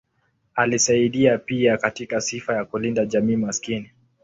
Alisaidia pia katika sifa ya kulinda jamii maskini.